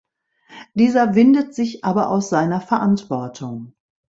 Dieser windet sich aber aus seiner Verantwortung.